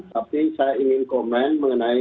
tapi saya ingin komen mengenai